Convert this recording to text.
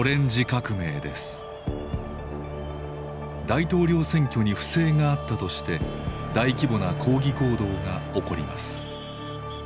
大統領選挙に不正があったとして大規模な抗議行動が起こります。